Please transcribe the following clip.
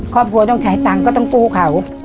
ครอบครัวต้องใช้ตังค์ก็ต้องกู้เขา